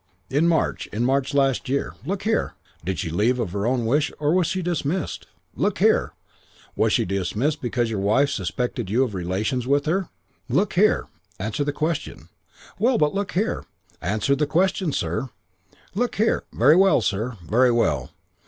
"'In March. In March last year. Look here ' "'Did she leave of her own wish or was she dismissed?' "'Look here ' "'Was she dismissed because your wife suspected you of relations with her?' "'Look here ' "'Answer the question.' "'Well, but look here ' "'Answer the question, sir.' "'Look here ' "'Very well, sir. Very well.